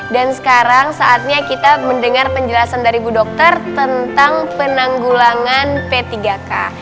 dan sekarang saatnya kita mendengar penjelasan dari ibu dokter tentang penanggulangan p tiga k